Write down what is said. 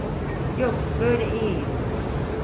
Yok, böyle iyiyim.